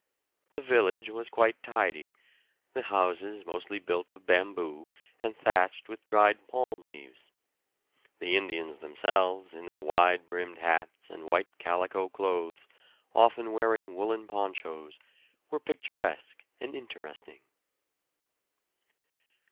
The village was quite tidy, the houses mostly built of bamboo and thatched with dried palm leaves. The Indians themselves, in their wide brimmed hats and white calico clothes, often wearing woollen ponchos, were picturesque and interesting.